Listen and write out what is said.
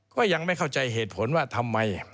ก็ยังไม่เข้าใจเหตุผลว่าทำไม